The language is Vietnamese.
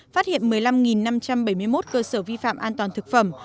phát hiện một mươi năm năm trăm bảy mươi một cơ sở vi phạm an toàn thực phẩm